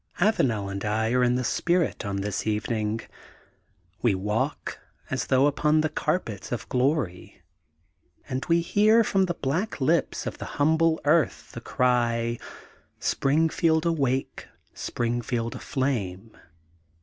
Avanel and I are in the spirit on this eve ning. We walk, as though upon carpets of glory, and we hear from the black lips of the humble earth the cry: Springfield Awake, Springfield Aflame.